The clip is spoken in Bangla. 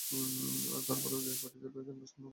তারপরেই জয়ার বঁটিতে ক্যানভাসখানা ফালা হইয়া গেল।